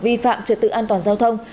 vi phạm trật tự an toàn giao thông